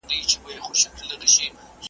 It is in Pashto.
انګازې به یې خپرې سوې په درو کي